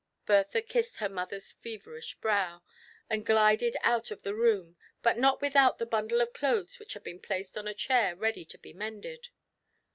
Bertha kissed her mother's feverish brow, and glided out of the room, but not without the bundle of clothes which had been placed on a chair ready to be mended.